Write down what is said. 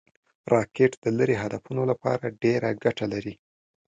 راکټ د لرې هدفونو لپاره ډېره ګټه لري